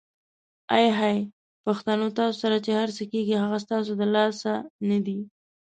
آی های پښتنو ! تاسو سره چې هرڅه کیږي هغه ستاسو د لاسه ندي؟!